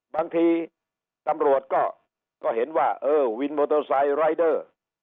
บางทีตำรวจก็เห็นว่าเออวินมอเตอร์ไซค์รายเดอร์